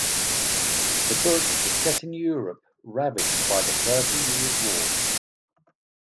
The book is set in Europe ravaged by the Thirty Years' War.